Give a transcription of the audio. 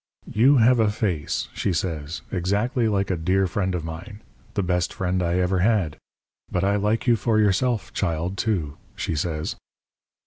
"'You have a face,' she says, 'exactly like a dear friend of mine the best friend I ever had. But I like you for yourself, child, too,' she says.